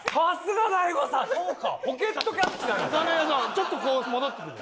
ちょっとこう戻ってくるの。